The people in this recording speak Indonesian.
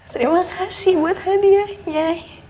terima kasih buat hadiahnya